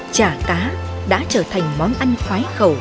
chả cá đã trở thành món ăn khoái khẩu